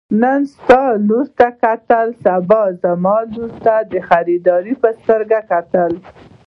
نن ستا لور کتله سبا زما لور ته د خريدار په نظر کتل.